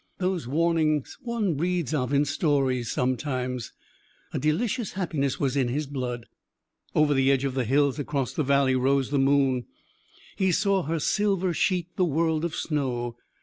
"Those warnings one reads of in stories sometimes ...!" A delicious happiness was in his blood. Over the edge of the hills across the valley rose the moon. He saw her silver sheet the world of snow.